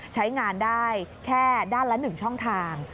ใช้งานได้แค่ด้านละ๑ช่องทาง